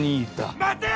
待てよ！